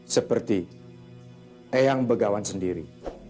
seperti eyang begawan sendiri